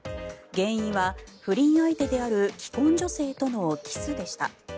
原因は不倫相手である既婚女性とのキスでした。